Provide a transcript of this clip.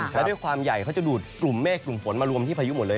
แล้วด้วยความใหญ่เขาจะดูดกลุ่มเมฆกลุ่มฝนมารวมที่พายุหมดเลย